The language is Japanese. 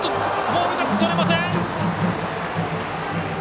ボールがとれません！